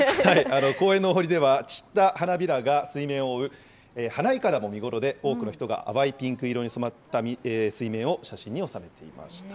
公園のお堀では、散った花びらが水面を覆う花筏も見頃で、多くの人が淡いピンク色に染まった水面を写真に収めていました。